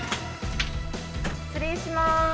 失礼します。